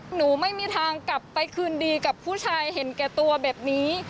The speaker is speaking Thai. หนูไม่มีทางกลับไปคืนดีกับผู้ชายเห็นแก่ตัวแบบนี้